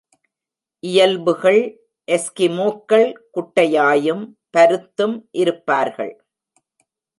இயல்புகள் எஸ்கிமோக்கள் குட்டையாயும் பருத்தும் இருப்பார்கள்.